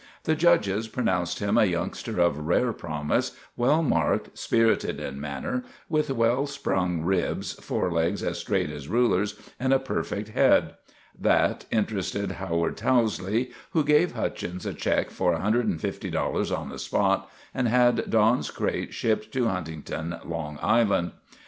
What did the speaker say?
The judges pronounced him a youngster of rare promise, well marked, spirited in manner, with well sprung ribs, forelegs as straight as rulers, and a perfect head. That interested Howard Towsley, who gave Hutchins a check for $150 on the spot and had Don's crate shipped to Huntington, Long Is land.